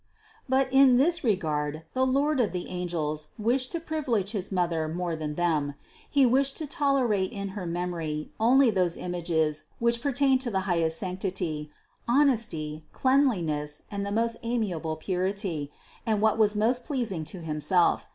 But in this regard the Lord of the angels wished to privilege his Mother more than them; He wished to tolerate in her memory only those images THE CONCEPTION 415 which pertain to the highest sanctity, honesty, cleanliness and the most amiable purity, and what was most pleasing to Himself.